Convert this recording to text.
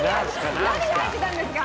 何が入ってたんですか？